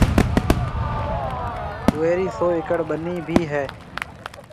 اُوئي رِي سئو ايڪڙ ٻنِي ڀِي هيَ۔